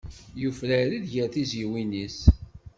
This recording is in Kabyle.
Yufrar-d ger tizzyiwin-is.